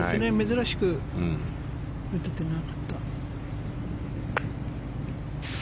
珍しく打ててなかった。